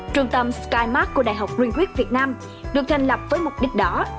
trung tâm skymark của đại học greenquist việt nam được thành lập với mục đích đó